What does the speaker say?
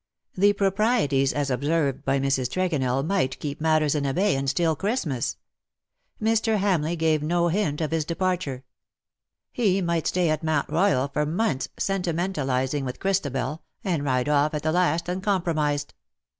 The proprieties, as observed by Mrs. Tregonell^ might keep matters in abeyance till Christmas. Mr. Hamleigh gave no hint of his departure. He might stay at Mount Royal for months sentimentalizing with Christabel, and ride off at the last uncompromised.